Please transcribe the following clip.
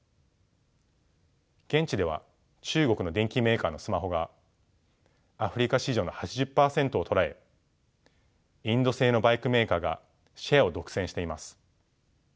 現地では中国の電機メーカーのスマホがアフリカ市場の８０％をとらえインド製のバイクメーカーがシェアを独占しています。